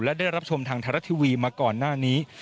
และได้รับชมทางไทยรัฐทีวีมาก่อนหน้านี้